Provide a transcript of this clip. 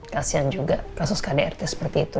kasian juga kasus kdrt seperti itu